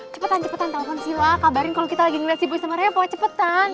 cepetan cepetan telepon sila kabarin kalo kita lagi ngeliat si boy sama reva cepetan